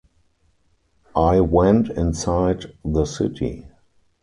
I went inside the city.